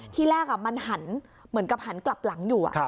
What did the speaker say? ที่แรกมันหันเหมือนกับหันกลับหลังอยู่